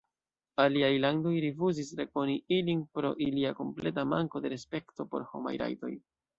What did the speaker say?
Aliaj landoj rifuzis rekoni ilin pro ilia kompleta manko de respekto por homaj rajtoj.